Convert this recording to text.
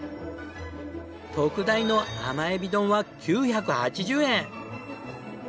特大の甘エビ丼は９８０円。